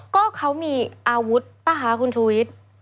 ก็เขามีอาวุธป่ะคะคุณชูวิทย์